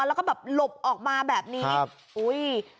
แล้วก็แบบหลบออกมาแบบนี้อุ้ย